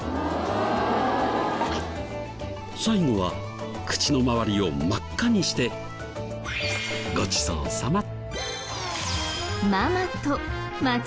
最後は口の周りを真っ赤にしてごちそうさま。